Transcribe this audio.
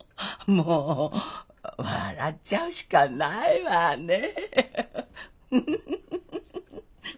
もう笑っちゃうしかないわねえ。